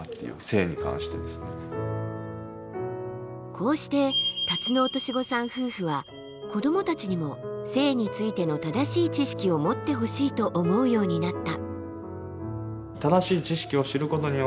こうしてタツノオトシゴさん夫婦は子どもたちにも性についての正しい知識を持ってほしいと思うようになった。